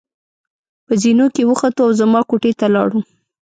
په زېنو کې وختو او زما کوټې ته ولاړو.